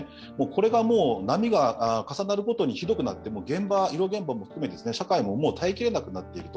これが波が重なるごとに広くなって医療現場を含め社会が耐えきれなくなっている。